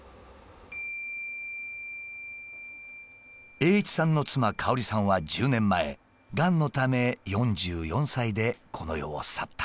栄一さんの妻・香さんは１０年前がんのため４４歳でこの世を去った。